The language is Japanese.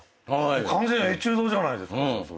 完全なエチュードじゃないですか。